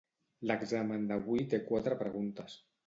L'examen d'avui té quatre preguntes.